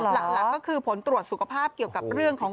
หลักก็คือผลตรวจสุขภาพเกี่ยวกับเรื่องของ